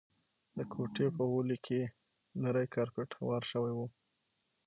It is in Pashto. د کوټې په غولي کي یو نری کارپېټ هوار شوی وو.